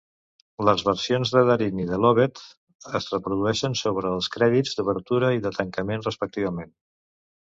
Les versions de Darin i de Lovett es reprodueixen sobre els crèdits d'obertura i de tancament, respectivament.